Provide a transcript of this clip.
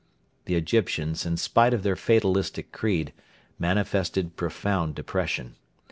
The Egyptians, in spite of their fatalistic creed, manifested profound depression.